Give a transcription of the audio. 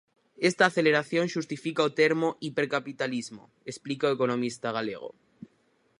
Esta aceleración xustifica o termo hipercapitalismo, explica o economista galego.